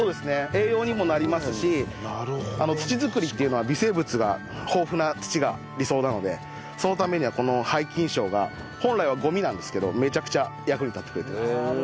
栄養にもなりますし土作りっていうのは微生物が豊富な土が理想なのでそのためにはこの廃菌床が本来はゴミなんですけどめちゃくちゃ役に立ってくれてます。